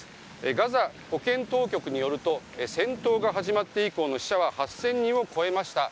ガザ保健当局によりますと戦闘が始まって以降の死者は８０００人を超えました。